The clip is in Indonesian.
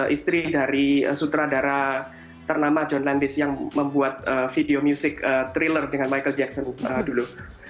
istri dari sutradara ternama john landes yang membuat video music thriller dengan michael jackson dulu